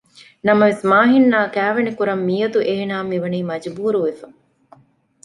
ނަމަވެސް މާހިން އާ ކައިވެނިކުރަން މިޔަދު އޭނާއަށް މި ވަނީ މަޖުބޫރުވެފަ